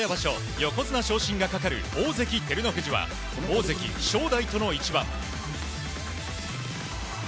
横綱昇進がかかる大関・照ノ富士は大関・正代との一番。